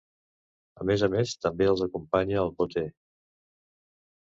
A més a més, també els acompanya el boter.